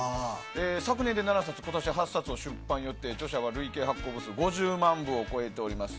昨年で７冊、今年８冊を出版して著書の累計発行部数５０万部を超えております